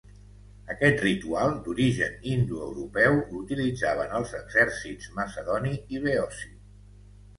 Aquest ritual, d'origen indoeuropeu, l'utilitzaven els exèrcits macedoni i beoci.